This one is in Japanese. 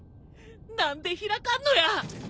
何で開かんのや！？